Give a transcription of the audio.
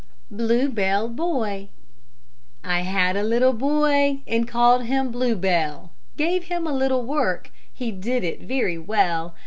BLUE BELL BOY I had a little boy, And called him Blue Bell; Gave him a little work, He did it very well.